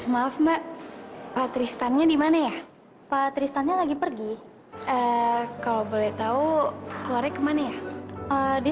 maaf mbak patris tanya di mana ya pak tristan lagi pergi kalau boleh tahu keluar kemana ya di